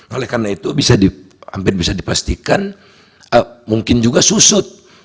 oleh karena itu hampir bisa dipastikan mungkin juga susut